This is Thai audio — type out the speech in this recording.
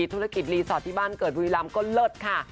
ธุรกิจรีสอร์ทที่บ้านเกิดบุรีรำก็เลิศค่ะ